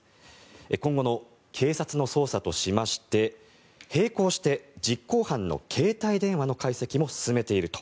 今後の警察の捜査としまして並行して実行犯の携帯電話の解析も進めていると。